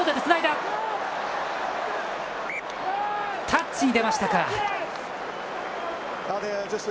タッチに出ましたか。